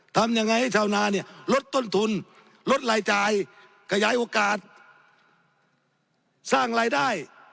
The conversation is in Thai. ทำยังไงให้ชาวนาเนี่ยลดต้นทุนลดรายจ่ายขยายโอกาสสร้างรายได้